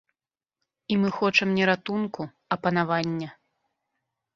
І мы хочам не ратунку, а панавання.